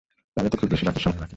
তাহলে তো খুব বেশি সময় বাকি নেই।